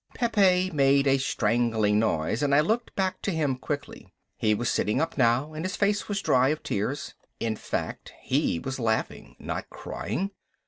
Pepe made a strangling noise and I looked back to him quickly. He was sitting up now and his face was dry of tears. In fact he was laughing, not crying.